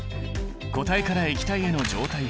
固体から液体への状態変化